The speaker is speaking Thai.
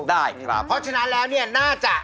ได้ครับใช่มั้ยครับเพราะฉะนั้นน่าจะ